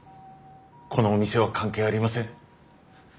このお店は関係ありません。